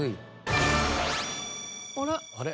あれ？